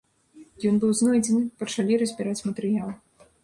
Ён быў знойдзены, пачалі разбіраць матэрыял.